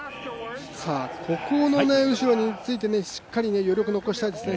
ここの後ろについてしっかり余力を残したいですね。